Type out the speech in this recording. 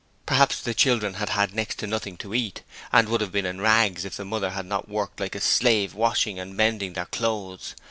Perhaps the children had had next to nothing to eat, and would have been in rags if the mother had not worked like a slave washing and mending their clothes.